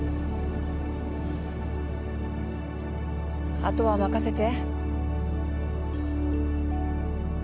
あとは任せて。